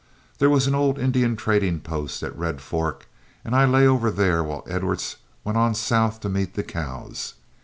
There was an old Indian trading post at Red Fork, and I lay over there while Edwards went on south to meet the cows.